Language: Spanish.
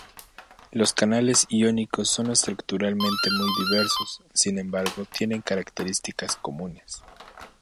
Los canales iónicos son estructuralmente muy diversos, sin embargo tienen características comunes.